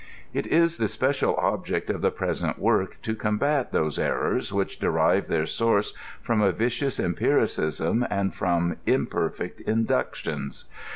It is the special object of the present work to combat those errors which derive their source from a vicious empiricism and from imperfect inductions.